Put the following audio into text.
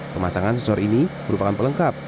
pemasangan sensor ini merupakan pelengkap